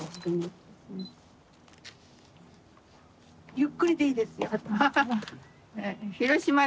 ゆっくりでいいですよ。